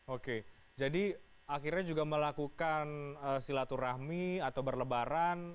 oke jadi akhirnya juga melakukan silaturahmi atau berlebaran